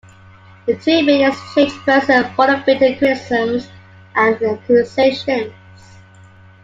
The two men exchanged verses full of bitter criticisms and accusations.